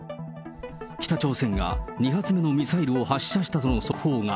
北朝鮮が２発目のミサイルを発射したとの速報が。